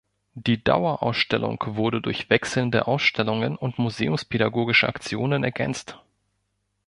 Die Dauerausstellung wurde durch wechselnde Ausstellungen und museumspädagogische Aktionen ergänzt.